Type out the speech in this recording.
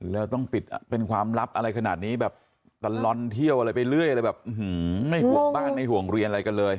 แล้วต้องปิดเป็นความลับอะไรขนาดนี้แบบตลอดเที่ยวอะไรไปเรื่อยอะไรแบบไม่ห่วงบ้านไม่ห่วงเรียนอะไรกันเลย